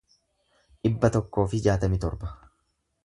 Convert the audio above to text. dhibba tokkoo fi jaatamii torba